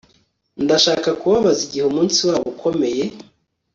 Ndashaka kubabaza igihe umunsi wabo ukomeye